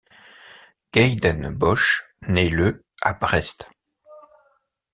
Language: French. Kayden Boche naît le à Brest.